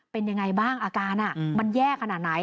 เป็นยังไงบ้างอาการมันแย่ขนาดไหน